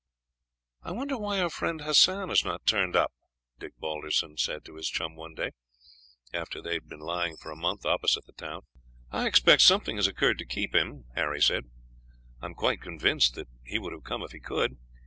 "I wonder why our friend Hassan has not turned up," Dick Balderson said to his chum one day, after they had been lying for a month opposite the town. "I expect something has occurred to keep him," Harry said. "I am quite convinced that he would have come if he could.